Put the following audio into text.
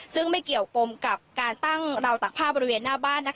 ซึ่งไม่เกี่ยวปมกับการตั้งราวตักผ้าบริเวณหน้าบ้าน